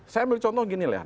saya ambil contoh gini lah